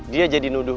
dia jadi horse